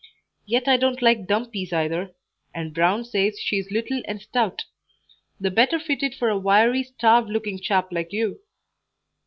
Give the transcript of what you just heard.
Yet I don't like dumpies either, and Brown says she is little and stout the better fitted for a wiry, starved looking chap like you.